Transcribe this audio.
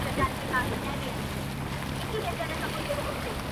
خو زړه چي ټول خولې ـ خولې هغه چي بيا ياديږي’